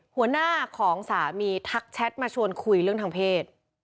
หัวหน้าของสามีทักแชทมาชวนคุยเรื่องทางเพศ